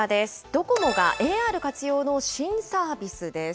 ドコモがＡＲ活用の新サービスです。